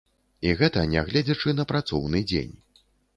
І гэта нягледзячы на працоўны дзень.